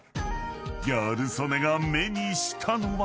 ［ギャル曽根が目にしたのは］